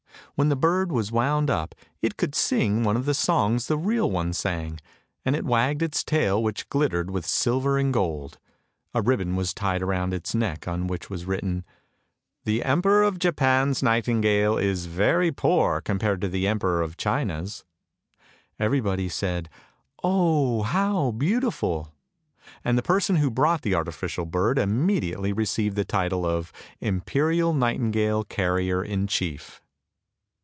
When the bird was wound up, it could sing one of the songs the real one sang, and it wagged its tail which glittered with silver and gold. A ribbon was tied round its neck on which 132 ANDERSEN'S FAIRY TALES was written, " The Emperor of Japan's nightingale is very poor compared to the Emperor of China's." Everybody said, " Oh, how beautiful! " And the person who brought the artificial bird immediately received the title of Imperial Nightingale Carrier in Chief.